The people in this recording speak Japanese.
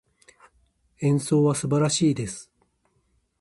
演奏は素晴らしいです。